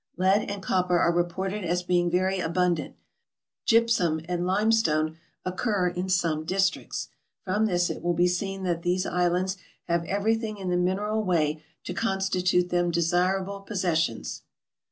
Lead and copper are reported as being very abundant ; gypsum and limestone occur in some districts. From this it will be seen that these islands have everything in the mineral way to constitute them desirable possessions.